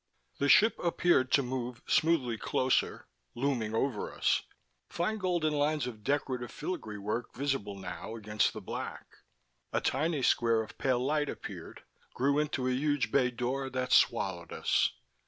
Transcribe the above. The ship appeared to move smoothly closer, looming over us, fine golden lines of decorative filigree work visible now against the black. A tiny square of pale light appeared, grew into a huge bay door that swallowed us.